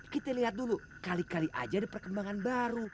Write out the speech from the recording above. kita lihat dulu kali kali aja ada perkembangan baru